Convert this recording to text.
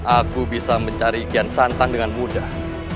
aku bisa mencari kian santang dengan mudah